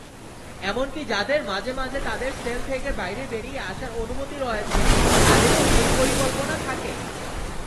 এমনকি যাদের মাঝে মাঝে তাদের সেল থেকে বাইরে বেরিয়ে আসার অনুমতি রয়েছে তাদেরও এই পরিকল্পনা থাকে।